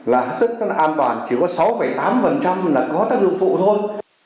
là sức an toàn chỉ có sáu tám là có tác dụng phụ thôi